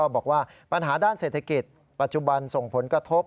บอกว่าปัญหาด้านเศรษฐกิจปัจจุบันส่งผลกระทบ